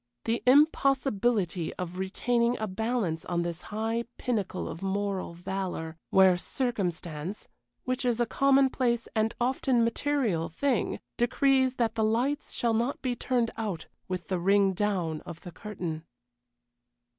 The impossibility of retaining a balance on this high pinnacle of moral valor, where circumstance, which is a commonplace and often material thing, decrees that the lights shall not be turned out with the ring down of the curtain.